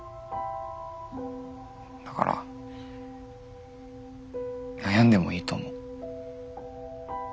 だから悩んでもいいと思う。